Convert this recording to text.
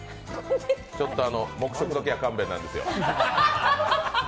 ちょっと黙食だけは勘弁なんですよ。